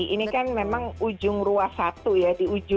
ini kan memang ujung ruas satu ya